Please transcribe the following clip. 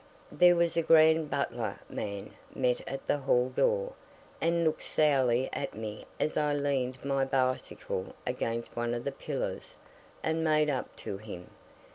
There was a grand butler man met me at the hall door, and looked sourly at me as I leaned my bicycle against one of the pillars and made up to him.